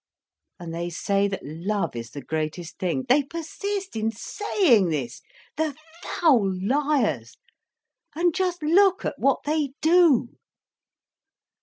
And they say that love is the greatest thing; they persist in saying this, the foul liars, and just look at what they do!